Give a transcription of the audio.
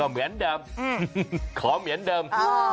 ก็เหมียนเดิมขอเหมียนเดิมอ๋อ